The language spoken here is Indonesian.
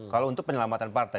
kalau untuk penyelamatan partai